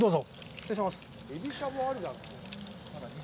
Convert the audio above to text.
失礼します。